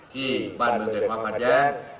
ที่บ้านเมืองเกิดความขัดแย้ง